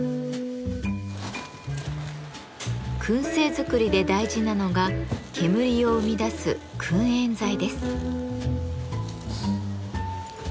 燻製作りで大事なのが煙を生み出す「燻煙材」です。